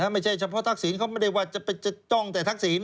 ไม่ใช่เฉพาะทักษิณเขาไม่ได้ว่าจะจ้องแต่ทักษิณ